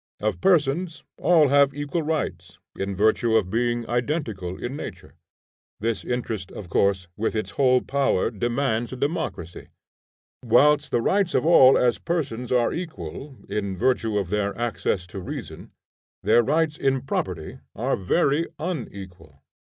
Of persons, all have equal rights, in virtue of being identical in nature. This interest of course with its whole power demands a democracy. Whilst the rights of all as persons are equal, in virtue of their access to reason, their rights in property are very unequal.